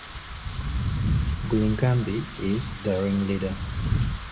Gullinkambi is the ringleader.